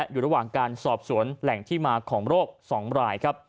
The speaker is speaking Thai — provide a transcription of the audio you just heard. อยู่ระหว่างการสอบสวนแหล่งที่มาของโรค๒รายครับ